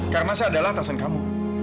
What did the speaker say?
karena saya adalah atasan kamu